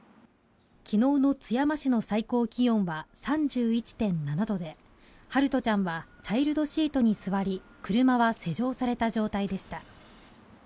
昨日の津山市の最高気温は３１．７度で、陽翔ちゃんはチャイルドシートに座り車は施錠された状態でした。